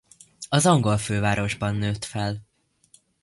Az angol fővárosban nőtt fel.